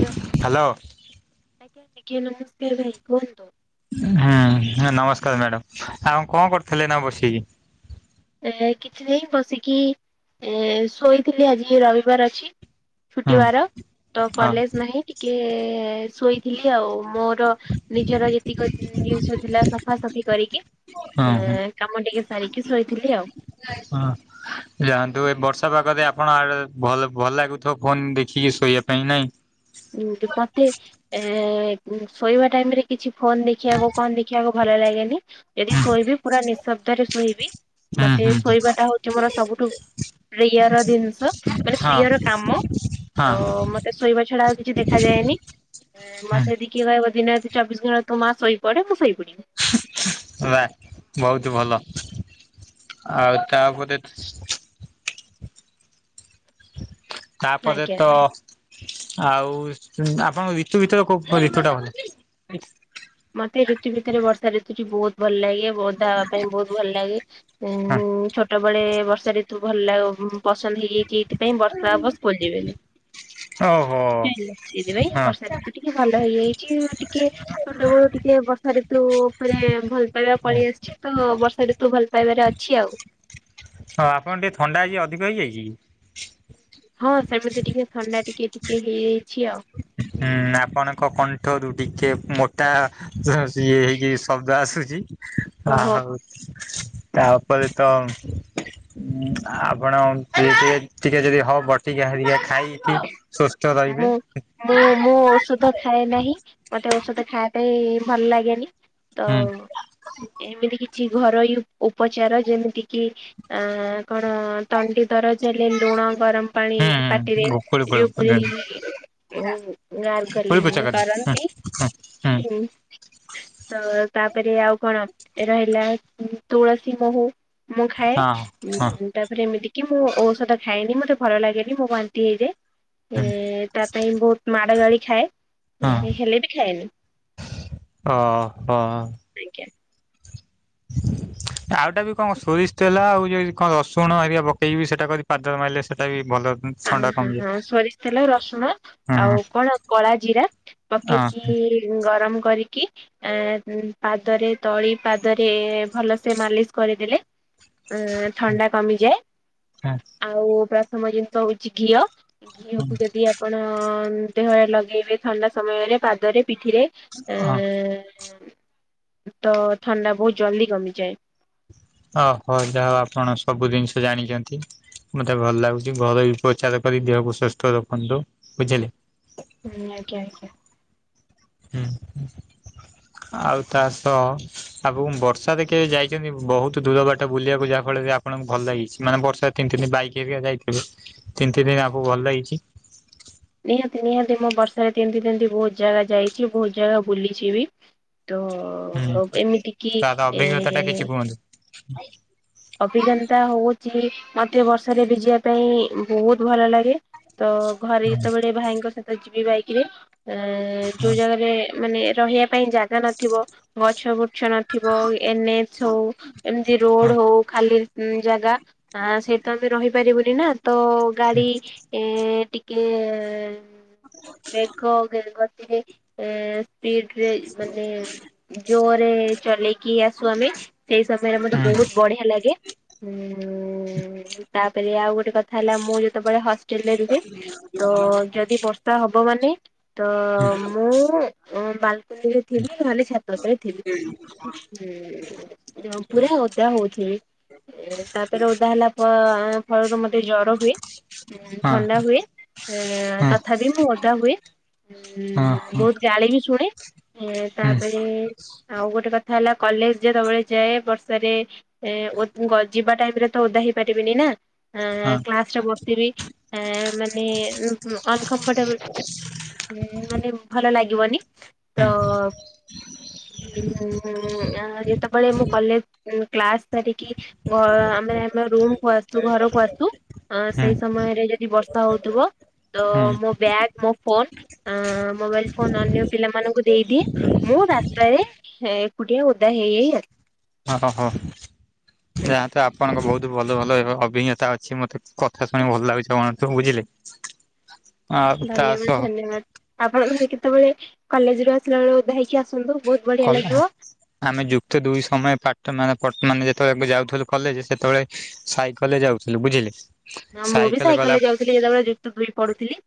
Hello ଆଜ୍ଞା ଆଜ୍ଞା ନମସ୍କାର ଭାଇ କୁହନ୍ତୁ। ହଁ ହଁ ନମସ୍କାର ମ୍ୟାଡ଼ାମ ଆଉ କଣ କରୁଥିଲେ ନା ବସିଇକି। ଏ କିଛି ନେଇଁ ବସିକି ଏ ଶୋଇଥିଲି ଆଜିି ରବିବାର ଅଛି। ହୁଁ ଛୁଟିବାର ତ ହଁ କଲେଜ ନାହିଁ ଟିକେ ଶୋଇଥିଲି ଆଉ ମୋର ନିଜର ଯେତିକ ଜିନିଷ ଥିଲା ସଫାସଫି କରିକି ହଁ ହଁ କାମ ଟିକେ ସାରିକି ଶୋଇ ଥିଲି ଆଉ। ହଁ। ଯାଆନ୍ତୁ ଏ ବର୍ଷା ପାାଗଦେ ଆପଣ ଆଡ ଭଲ ଭଲ ଲାଗୁଥିବ ଫୋନ ଦେଖିକି ଶୋଇବା ପାଇଁ ନାଇଁ। ହୁଁତ ମତେ ଏ ଶୋଇବା ଟାଇମ ରେ କିଛି ଫୋନ ଦେଖିବାକୁ କଣ ଦେଖିବାକୁ ଭଲ ଲାଗେନି। ଏଠି ଶୋଇବି ପୁରା ନିଃଶବ୍ଦରେ ଶୋଇବି ହୁଁ ମତେ ହୁଁ ଶୋଇବାଟା ହଉଛି ମୋର ସବୁଠୁ। ପ୍ରିୟର ଦିନିଷ ମାନେ ହଁ ପ୍ରିୟର କାମ ହଁ ତ ମତେ ଶୋଇବା ଛଡା ଆଉ କିଛି ଦେଖାଯାଏନି ହୁଁ ମୋତେଦି କିଏ କହିବ ଦିନ ରାତି ଚବିଶ ଘଣ୍ଟା ତୁ ମା ଶୋଇପଡ଼େ ମୁଁ ଶୋଇପଡ଼ିବି। ନା ବହୁତ ଭଲ ଆଉ ତାପରେ ତାପରେ ଆଜ୍ଞା ତ ଆଜ୍ଞା। ଆଉ ଆପଣଙ୍କ ରିତୁ ଭିତରେ କୋଉ ରିତୁ ଟା ଭଲ? ମତେ ଋତୁ ଭିତରେ ବର୍ଷା ଋତୁଟି ବହୁତ ଭଲ ଲାଗେ ବୋଦା ହେବା ପାଇଁ ବହୁତ ଭଲ ଲାଗେ ଉ ହଁ ଛୋଟବେେଳେ ବର୍ଷା ଋତୁ ଭଲ ଲାଗ ପସନ୍ଦ ହେଇଯାଇଛି ଏଇଥିପାଇଁ ବର୍ଷା ହେବ ସ୍କୁଲ ଯିବେନି। ଓହୋ ସେ ଲ ସେଇଥି ପାଇଁ ହଁ ବର୍ଷା ଋତୁଟି କିଭଲ ହେଇଯାଇଛି ଟିକେ ଛୋଟ ବଳୁ ଟିକେ ବର୍ଷା ଋତୁ ଉପରେ ଭଲ ପାଇବା ପଳେଇ ଆସିଛି ତୁ ବର୍ଷାଟି ଋତୁ ଭଲ ପାଇବାରେ ଅଛି ଆଉ। ହଁ ଆପଣ ଟିକେ ଥଣ୍ଡା ହେଇଚି ଅଧିକା ହେଇଯାଇଛି କି। ହଁ ସେମିତି ଟିକେ ଥଣ୍ଡା ଟିକେ ଟିକେ ହେଇଯାଇଛି ଆଉ। ହୁଁ ଆପଣଙ୍କ କଣ୍ଠ ରୁ ଟିକେ ମୋଟା ଜି ହେଇଜି ଶବ୍ଦ ଆସୁଛି ଓହୋ ଆଉ ତା ପରେ ତ ଉଁ ଆପଣ ଟେ ଟିକେ ଟିକେ ଯଦି ହବ ବଟିକା ହେରିକା ଖାଇକି ଟିକେ ସ ତ ମୁଁ ରଇବେ। ମୁଁ ମୁଁ ଔଷଧ ଖାଏ ନାହିଁ ମତେ ଔଷଧ ଖାଇବା ପାଇଁ ଭଲ ଲାଗେନି। ତ ହୁଁ ଏମିତି କିଛି ଘରୋଇ ଉପଚାର ଯେମିତି କିି ଆ କଣ ତଣ୍ଡି ଦରଜ ହେଲେ ଲୁଣ ଗରମ ପାଣି ହୁଁ ପାଟିରେ ହୁଁ। କୋଳି ଜଉ କୋଳି ପୁରେଇକି ଓହୋ କୋଳି ପୋଛା ଗରଗଲିଙ୍ଗ କରିଦେ ହୁଁ କରନ୍ତି। ହୁଁ ହୁଁ। ତ ତାପରେ ଆଉ କଣ ରହିଲା ତୁଳସୀ ମହୁ ମୁଁ ଖାଏ ହଁ ହଁ ଉଁ ତାରେ ଏମିତି କି! ମୁଁ ଔଷଧ ଖାଏନି। ମତେ ଭଲ ଲାଗେନି ମୋ ବାନ୍ତି ହେଇଯାଏ। ଏ ହୁଁ। ତା ପାଇଁ ବହୁତ ମାଡ ଗାଳି ଖାଏ। ହଁ [unintelligible] ଖାଏନୀ ଓହୋ ଆଜ୍ଞା। [inaudible] ଆଉଟା ବି କଣ ସୋରିଷ ତେଲ ଆଉ ଯଦି କଣ ରସୁଣ ହେରିକା ପକେଇକିବି, ସେଇଟା ପାଦର ମାରିଲେ ସେଇଟା ବି ଭଲ। ହଁ, ଥଣ୍ଡା ହଁ, କମିଯାଏ। ହଁ ସୋରିଷ ତେଲ, ରସୁଣ ହଁ ଆଉ କଣ କଳା ଜିରା। ହଁ ପକେଇକି ଗରମ କରିକି। ଏଁ ପାଦରେ ତଳି ପାଦରେ ଭଲସେ ମାଲିସ୍ କରିଦେଲେ। ଅ ଥଣ୍ଡା କମିଯାଏ ଆଉ ପ୍ରଥମ ଜିନିଷ ହଉଛି ଘିଅ। ଘିଅକୁ ଯଦି ଆପଣ ଦେହରେ ଲଗେଇବେ ଥଣ୍ଡା ସମୟରେ ପାଦରେ ପିଠିରେ ଆ ହଁ। ତ ଥଣ୍ଡା ବହୁତ ଜଲଦି କମିଯାଏ। ଓହୋ ଯାହା ହଉ ଆପଣ ସବୁ ଜିନିଷ ଜାଣିଛନ୍ତି। ମତେ ଭଲ ଲାଗୁଛି ଘରୋଇ ଉପଚାର କରି ଦେହକୁ ସୁସ୍ଥ ରଖନ୍ତୁ ବୁଝିଲେ। ହୁଁ ଆଜ୍ଞା ଆଜ୍ଞା। ହୁଁ ଆଉ ତା ସହ ଆଗୁକୁ ବର୍ଷାରେ କେବେ ଯାଇଛନ୍ତି ବହୁତ ଦୂର ବାଟ ବୁଲିବାକୁ ଯାହା ଫଳରେ ଆପଣଙ୍କୁ ଭଲ ଲାଗିଛି ମାନେ ବର୍ଷା ତିନି ତି ଦିନ ବାଇକ ହେରିକା ଯାଇଥେ ତିନି ତିନି ଦିନ ଆମକୁ ଭଲ ହେଇଛି। ନିହାତି ନିହାତି ମୋ ବର୍ଷାରେ ତିନ୍ତି ତିନ୍ତି ବହୁତ ଜାଗା ଯାଇଛି ବହୁତ ଜାଗା ବୁଲିଛି ବି। ତ ହୁଁ ଏମିତି କିି ତାର ଅଭିଜ୍ଞତା ଟା ଏ କିଛି କୁହନ୍ତୁ? ଅଭିଜ୍ଞତା ହଉଛି ମତେ ବର୍ଷାରେ ଭିଜିବା ପାଇଁ ବହୁତ ଭଲ ଲାଗେ। ତ ଘରେ ଯେତେବେଳେ ଭାଇଙ୍କ ସହିତ ଯିବି ବାଇକରେ ଏ ହଁ ଯୋଉ ଜାଗାରେ ମାନେ ରହିବା ପାଇଁ ଜାଗା ନ ଥିବ ଗଛ ଗୁଛ ନଥିବ ଏନ ଏଚ ହୋଉ ଏମିତି ହଁ ରୋଡ ହୋଉ। ଜାଗା ଆ ସେଇ ତ ଆମେ ରହିପାରିବୁନି ନା ତ ଗାଡି ଏ ଟିକେ ବେଘ ଗତିରେ ଏ ସ୍ପିଡ଼ରେ ମାନେ ଉଁ ଜୋରରେ ଚଲେଇକି ଆସୁ, ଆମେ ସେହି ସମୟରେ ମୋତେ ହଁ ବହୁତ ବଢିଆ ଲାଗେ। ଲାଗେ ଉଁ ତାପରେ ଆଉ ଗୋଟେ କଥା। ଥା ହେଲା, ମୁଁ ଯେତେବେଳେ ହଷ୍ଟେଲରେ ରୁହେ, ତ ଯଦି ବର୍ଷା ହବ, ମାନେ ତ ମୁଁ ଉଁ ବାଲକୁନିରେ ଥିବି, ନହେଲେ ଛାତ ଉପରେ ଥିବି। ଉଁ ପୁରା ଓଦା ହୋଉଥିଲି ତାପରେ ଓଦା ହେଲା ପ ଫଳରୁ ମତେ ଜ୍ୱର ହୁଏ। ଉ ହଁ ଥଣ୍ଡା ହୁଏ। ଏଁ ହଁ ତଥାପି ମୁଁ ଓଦା ହୁଏ। ହଁ ଉଁ, ହଁ ବହୁତ ଗାଳି ବି ଶୁଣେ ଏଁ ହଁ ହଁ ତାପରେ ଆଉ ଗୋଟେ କଥା ହେଲା, କଲେଜ ଯେତେବେଳେ ଯାଏ, ବର୍ଷାରେ ଏ ମୁଁ ଗ ଯିବା ଟାଇମରେ ତ ଓଦା ହେଇପାରିବିନି ନା ଆଁ କ୍ଲାସ ଟା ବ ବସିବି ଆ ମାନେ ଉଁ ହଁ, ଅନକମ୍ଫର୍ଟେବଲ୍ ମାନେ ଭଲ ଲାଗିବନି, ତ ଉଁ ଆଁ ଯେତେବେଳେ ମୁଁ କଲେଜ କ୍ଲାସ ସାରିକି କି, ଘ ଆମେ ଆମ ରୁମ କୁ ଆସୁ, ଘରକୁ ଆସୁ ଅ ସେହି ହଁ ସମୟରେ ଯଦି ବର୍ଷା ଦଉଥୁବ। ତ ମୋ ବ୍ୟାଗ ମୋ ଫୋନ ଅଁ ମୋବାଇଲ ଫୋନ ଅନ୍ୟ ପିଲାମାନଙ୍କୁ ଦେଇଦିଏ। ମୁଁ ରାସ୍ତାରେ ହେ ଏକୁଟିଆ ଓଦା ହେଇ ହେଇ ଆ ଓହୋ ଓହୋ ଯାହା ତ ଆପଣଙ୍କ ବହୁତ ଭଲ ଭଲ ଅଭିଜ୍ଞତା ଅଛି ମତେ କଥା ଶୁଣି ଭଲ ଲାଗୁଛି [unintelligible] ବୁଝିଲେ ଆଉ ତା ଧନ୍ୟବାଦ ସହ ଧନ୍ୟବାଦ ଆପଣ ଧର କେତେବେଳେ କଲେଜରୁ ଆସିଲା ବେଳେ ଓଦା ହେଇକି ଆସନ୍ତୁ। ବହୁତ ବଢିଆ କଲା। ଲାଗିବ ଆମେ ଯୁକ୍ତ ଦୁଇ ସମୟ ପାଠ ମାନେ ମାନେ ଯେତେବେଳେ ଯାଉଥିଲୁ କଲେଜ ସେତେବେଳେ ସାଇକେଲ ଯାଉଥିଲୁ ବୁଝିଲେ। ନା ମୁଁ ବି ସାଇକେଲ ଗଲା ସାଇକେଲରେ ଯାଉଥିଲ ଯେତେବେଳେ ଯୁକ୍ତ ଦୁଇ ପଢୁଥିଲି।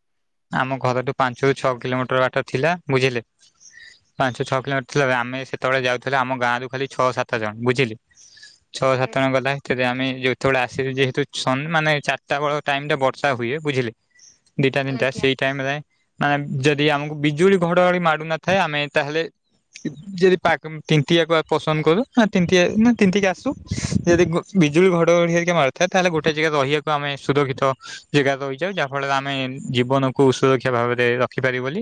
ଆମ ଘରଠୁ ପାଞ୍ଚରୁ ଛଅ କିଲୋମିଟର ବାଟ ଥିଲା ବୁଝିଲେ ପାଞ୍ଚରୁ ଛଅ କିଲୋମି ଥିଲା ବେ ଆମେ ସେତେବେଳେ ଯାଉଥିଲେ ଆମ ଗାଁ ରୁ ଖାଲି ଛଅ ସାତ ଜଣ ବୁଝିଲେ। ଛଅ ସାତ ଜଣ ଗଲା ଭିତରେ ଆମେ ଯୋଉ ଯେତେବେଳେ ଆସିବେ ଯେହେତୁ ସନ ମାନେ ଚାରିଟା ବେଳ ଟାଇମ ରେ ବର୍ଷା ହୁଏ। ବୁଝିଲେ? ଦିଟା ତିନିଟା ଆଜ୍ଞା ସେଇ ଟାଇମ ରେ ମାନେ ଯଦି ଆମକୁ ବିଜୁଳି ଘଡଘଡି ମାଡୁ ନଥାଏ ଆମେ ତାହେଲେ ଯଦି ପାକ ଉଁ ତିନ୍ତିବାକୁ ପସନ୍ଦ କରୁ ହଁ ତିନ୍ତିଆ ନା ତିନ୍ତିକି ଆସୁ ସେ ଯଦି ବିଜୁଳି ଘଡଘଡି ହେରିକା ମାରୁଥାଏ ତାହେଲେ ଗୋଟେ ଜାଗା ରହିବାକୁ ଆମେ ସୁୁରକ୍ଷିତ। ଜାଗାରେ ରହିଯାଉ ଯାହା ଫଳ ରେ ଆମେ ଜୀବନ କୁ ସୁରକ୍ଷା ଭାବରେ ରଖିପାରିବୁ ବୋଲି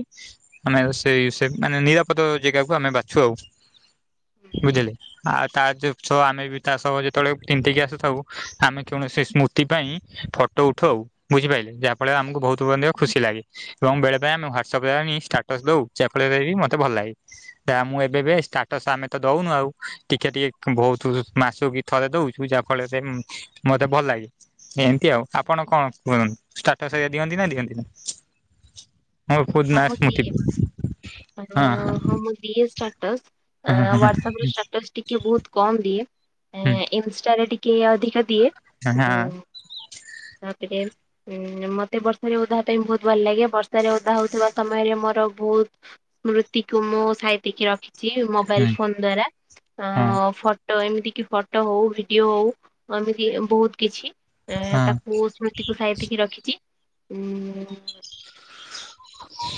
ଆମେ ସେଇ ସେମାନେ ନିରାପଦ ଜେଗାକୁ ଆମେ ବାଛୁ ଆଉ ବୁଝିଲେ। ଆଉ ତା [unintelligible] ଆମେ ବି ତା ସହ ଯେତେବେଳେ ତିନ୍ତିକି ଆସିଥାଉ ଆମେ କୌଣସି ସ୍ମୃତି ପାଇଁ ଫ ଫଟୋ ଉଠଉ ବୁଝିପାଇଲେ? ଯାହା ଫଳରେ ଆମକୁ ବହୁତୁ ମଧ୍ୟ ଖୁସି ଲାଗେ। ଏବଂ ବେଳେ ବେଳେ ଆମେ ହ୍ୱାଟ୍ସପରେ ଆଣି ଷ୍ଟାଟସ ଦଉ ଯାହାଫଳରେ କି ମତେ ଭଲ ଲାଗେ। ଟା ମୁଁ ଏବେ ଏବେ ଷ୍ଟାଟସ୍ ଆମେ ତ ଦଉନୁ ଆଉ ଟିକେ ଟିକେ ବହୁତୁ ମାସକୁ ଥରେ ଦଉଚୁ ଯାହା ଫଳରେ ମତେ ଭଲ ଲାଗେ। ଏମତି ଆଉ ଆପଣ କଣ କୁହ ଷ୍ଟାଟସ୍ ରେ ଦିଅନ୍ତି ନା ଦିଅନ୍ତି ନି? ହଁ ମୁଁ ଦିଏ ଅଁ ହଁ ମୁଁ ଦିଏ ଷ୍ଟାଟସ୍। ଅଁ ହଁ ହଁ ହ୍ବାଟସପରେ ଷ୍ଟାଟସ୍ ଟି ଟିକେ ବହୁତ କମ୍ ଦିଏ ହଁ ଇନଷ୍ଟାରେ ଟିକେ ଅଧିକା ଦିଏ ହଁ ଉଁ ଆଉ ଟିକେ ଉଁ ମତେ ବର୍ଷାରେ ଓଦା ହବା ପାଇଁ ବହୁତ ଭଲ ଲାଗେ। ବର୍ଷାରେ ଓ ଓଦା ହଉଥିବା ସମୟରେ ମୋର ବହୁତ ସ୍ମୃତିକୁ ମୁଁ ସାଇତିକି ରଖେ। ଚି ହଁ ମୋବାଇଲ ଫୋନ ଦ୍ଵାରା ହଁ ଅଁ ଫ ଫଟୋ ଏମିତି କି ଫଟୋ ହଉ ଭିଡିଓ ହଉ ଅ ଏମିତି ବହୁତ କିଛି ଏ ତାକୁ ସ୍ମୁ ତିକୁ ସାଇତିିକି ରଖିଛି ଉଁ।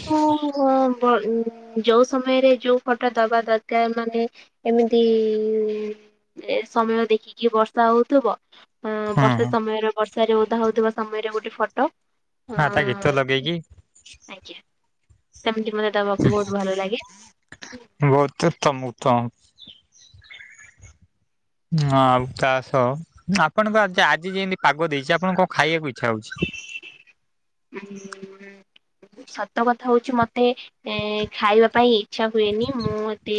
କୁ ବ ବ ଉଁ ଯୋଉ ସମୟରେ ଯୋଉ ଫଟୋ ଦବା ଦରକାର ମାନେ ଏମିତି ଏ ସମୟ ଦେଖିକି ବର୍ଷା ହଉଥୁବ। ହଁ ଅଁ ବର୍ଷା ହଁ ସମୟରେ ବର୍ଷାରେ ଓଦା ହଉଥିବା ସମୟରେ ଗୋଟେ ଫଟୋ। ଅ ଆ ତା ଗୀତ ଲଗେଇ କି। ଆଜ୍ଞା ସେମିତି ମତେ ଦବାକୁ ବହୁତ ଭଲ ଲାଗେ। ବହୁତ ଉତ୍ତମ ଉତ୍ତମ। ହଁ ଆଉ ତାସହ ଆପଣଙ୍କ ଆଜ ଆଜି ଯେମିତି ପାଗ ଦେଇଛି ଆପଣ କଣ ଖାଇବାକୁ ଇଚ୍ଛା ହଉଛି? ଉଁ ସତ କଥା ହଉଛି ମତେ ଏ ଖାଇବା ପାଇଁ ଇଚ୍ଛା ହୁଏନି ମୁଁ ଏତେ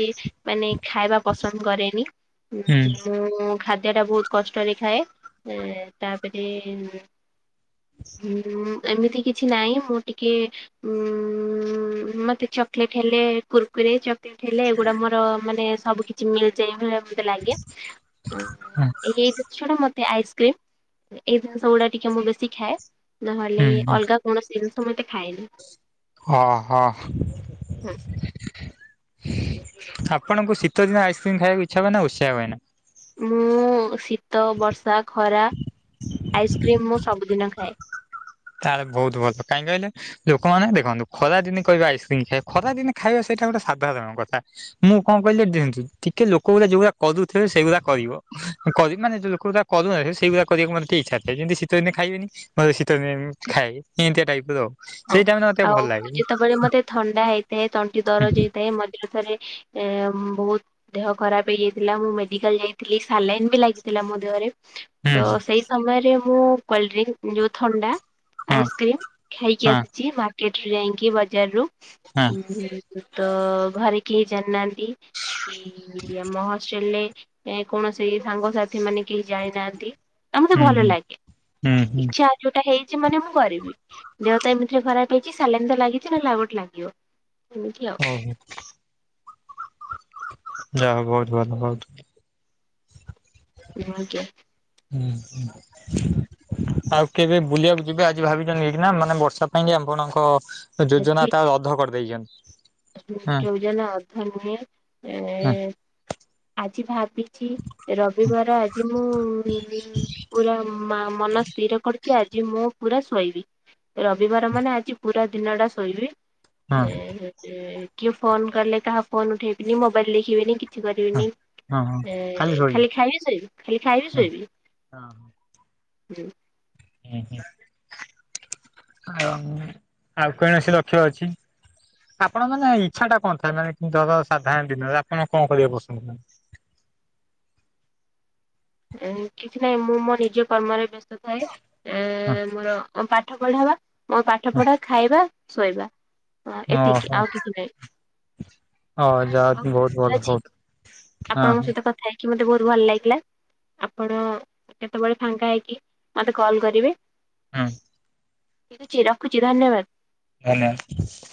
ମାନେ ଖାଇବା ପସନ୍ଦ କରେନି ଉଁ ହୁଁ ମୁଁ ଖାଦ୍ୟ ଟା ବହୁତ କଷ୍ଟରେ ଖାଏ ଏ ତାପରେ ଉଁ ଏମିତି କିଛି ନାହିଁ ମୁଁ ଟିକେ ଉଁ ମତେ ଚକଲେଟ ହେଲେ କୁର୍ କୁରେ ଚକଲେଟ ହେଲେ ଏଗୁଡା ମୋର ମାନେ ସବୁ କିଛି ମିଳିଯାଏ ମତେ ଲାଗେ ଉଁ ହୁଁ ଏ ଏଇ ଯୋଉ ଛଡା ମତେ ଆଇସ୍କ୍ରିମ ଏ ଏଇ ଜିନିଷ ଗୁଡା ଟିକେ ମୁଁ ବେଶୀ ଖାଏ ନହେଲେ ହୁଁ କୌଣସିି ଜିନିଷ ମୁଁ ଏତେ ଖାଏନି। ହ ହ। ହୁଁ। ଆପଣଙ୍କୁ ଶୀତଦିନେ ଆଇସ୍କ୍ରିମ୍ ଖାଇବାକୁ ଇଚ୍ଛା ହୁଏ ନା ଉତ୍ସା ହୁଏ ନା? ମୁଁ ଶୀତ, ବର୍ଷା, ଖରା ଆଇସ୍କ୍ରିମ୍ ମୁଁ ସବୁଦିନ ଖାଏ। ତାହେଲେ ବହୁତ ଭଲ। କାହିଁ କହିଲେ? ଲୋକମାନେ ଦେଖନ୍ତୁ ଖରା ଦିନେ କହିବେ ଆଇସ୍କ୍ରିମ ଖାଇବା ଖରା ଦିନେ ଖାଇବା ସେଇଟା ଗୋଟେ ସାଧାରଣ କଥା। ମୁଁ କଣ କହିଲି ଦେଖନ୍ତୁ ଟିକେ ଲୋକ ଗୁରା ଯୋଉଗୁରା କରୁଥିବେ ସେଇଗୁରା କରିବ। କରିବ ମାନେ ଯଉ ଲୋକଗୁରା କରୁନାହାନ୍ତି ସେଇ ଗୁରା କରିବାକୁ ମୋତେ ଟିକେ ଇଚ୍ଛା ଥାଏ ଯେମିତି ଶୀତ ଦିନେ ଖାଇବେନି ମୋତେ ଶୀ ଶିତ ଦିନ ରେ ମୁଁ ଖାଏ ଏମିତିଆ ଟାଇପ ର ହଁ ସେଇ ଟାଇମ୍ ରେ ମତେ ଟିକେ ଆଉ ଭଲ ଲାଗେ। ଯେତେବେଳେ ମତେ ଥଣ୍ଡା ହେଇଥାଏ ତଣ୍ଟି ଦରଜ ହେଇଥାଏ ମିଝିରେ ଥରେ ଏ ଉଁ ବହୁତ ଦେହ ଖରାପ ହେଇଯାଇଥିଲା ମୁଁ ମେଡିକାଲ ଯାଇଥିଲି ସାଲାଇନ ବି ଲାଗିଥିଲା ମୋ ଦେହରେ। ତ ହୁଁ ସେଇ ସମୟରେ ମୁଁ କୋଲଡ୍ରିଙ୍କ ଯୋଉ ଥଣ୍ଡା। ହଁ ଆଇସ୍କ୍ରିମ୍ ଖାଇକି ଆ ହଁ ମାର୍କେଟରୁ ଯାଇକି ବଜାର ରୁ ହଁ ଉଁ ତ ଘରେ କେହି ଜାଣିନାହାନ୍ତି। ଏଇ ଆମ ହଷ୍ଟେଲରେ। ଏ କୌଣସି ସାଙ୍ଗସାଥି ମାନେ କେହି ଯାଇନାହାନ୍ତି। ଆଉ ମତେ ହୁଁ ଭଲ ହୁଁ। ଲାଗେ ହୁଁ ହୁଁ ଇଚ୍ଛା ଯୋଉଟା ହେଇଛି ମାନେ ମୁଁ କରିବି ଦେହ ତ ଏମିତିରେ ଖରାପ ହେଇଛି ସାଲାଇନ ତ ଲାଗିଛି ହେଲା ଆଉ ଗୋଟେ ଲାଗିବ ଏମିତି ଆଉ। ଓହୋ ଯାହା ହଉ ବହୁତ ଭଲ ବହୁତ [unintelligible] ନୂଆ ଆଜ୍ଞା। ହୁଁ ହୁଁ। ଆଉ କେବେ ବୁଲିବାକୁ ଯିବେ ଆଜି ଭାବିଚନ୍ତି ଏହିକିନା ମାନେ ବର୍ଷା ପାଇଁ କି ଆପଣଙ୍କ ଯୋଜନା ଆଜି ତା ରଦ୍ଧ କରି ଦେଇଚନ୍ତି। ଯୋଜନା ଅର୍ଥ ନୁହେଁ ଏ ହଁ ଆଜି ଭାବି ଚି ରବିବାର ଆଜି। ମୁଁ ପୁରା ମା-ମନ ସ୍ଥିର କରୁଚି ଆଜି ମୁଁ ପୁରା ଶୋଇବି। ରବିବାର ମାନେ ଆଜି ପୁରା ଦିନ ଟା ଶୋଇବି। ହଁ [unintelligible] କିଏ ଫୋନ କଲେ କାହା ଫୋନ୍ ଉଠେଇବିନି ମୋବାଇଲ ଦେଖିବିନି କି କିଛି ହଁ କରିବିନି ହଁ ହଁ ଏ ଶୋଇ ଖାଲି ଖାଇବି ଶୋଇବି ଖାଲି ଖାଇବି ହଁ ଶୋଇବି। ହଁ ହୁଁ। ହୁଁ ହୁଁ ଆଉ ଆଉ କୌଣସି ଲକ୍ଷ୍ୟ ଅଛି? ଆପଣ ମାନେ ଇଚ୍ଛା ଟା କଣ ଥାଏ ମାନେ କି ତର ସାଧାରଣ ଡିନର ରେ ଆପଣ କଣ କରିବେ ବସନ୍ତୁ ଏ କିଛି ନାହିଁ ମୁଁ ମୋ ନିଜ କର୍ମରେ ବ୍ୟସ୍ତ ଥାଏ। ଏ ମୋର ଅଁ ପାଠ ପଢ଼ା ବା ମୋ ପାଠ ପଢା ଖାଇବା ଶୋଇବା। ହଁ ଏତିକି ଓହୋ ଆଉ କିଛି ନାହିଁ। ହ ଯା ବହୁତ ଭଲ ଆଉ ଅଛି ବହୁତ ହଁ ଆପଣଙ୍କ ସହିତ କଥା ହେଇକି ମତେ ବହୁତ ଭଲ ଲାଗିଲା। ଆପଣ କେତବେଳେ ଫାଙ୍କା ହେଇକି ମତେ କଲ କରିବେ। ହୁଁ। ରଖୁଚି ରଖୁଚି ଧନ୍ୟବାଦ। ଧନ୍ୟ।